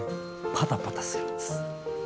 パタパタするんです。